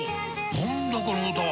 何だこの歌は！